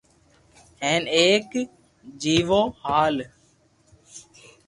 ھين ايڪ جيوہ ھال